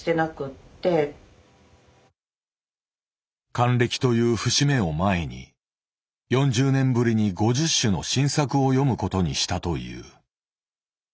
還暦という節目を前に４０年ぶりに５０首の新作を詠むことにしたという。